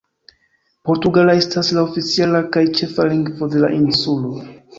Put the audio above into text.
Portugala estas la oficiala kaj ĉefa lingvo de la insulo.